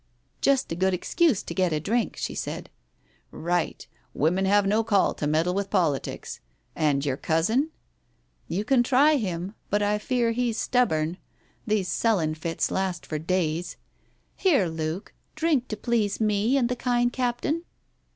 "Just a good excuse to get a drink," she said. " Right. Women have no call to meddle with politics. And your cousin ?" "You can try him. But I fear he's stubborn. These sullen fits last for days. Here, Luke, drink to please me and the kind captain."